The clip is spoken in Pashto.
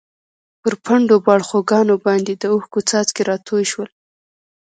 پر پڼډو باړخوګانو باندې د اوښکو څاڅکي راتوی شول.